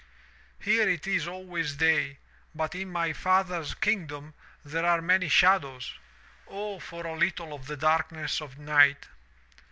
'Here it is always day, but in my father's kingdom there are many shadows. O, for a little of the darkness of night!'